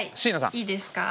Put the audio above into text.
いいですか？